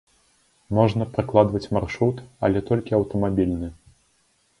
Можна пракладваць маршрут, але толькі аўтамабільны.